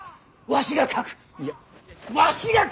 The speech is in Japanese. わしが書く！